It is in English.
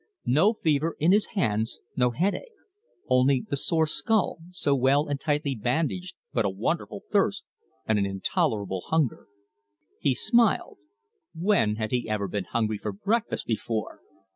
No fever in his hands, no headache, only the sore skull, so well and tightly bandaged but a wonderful thirst, and an intolerable hunger. He smiled. When had he ever been hungry for breakfast before?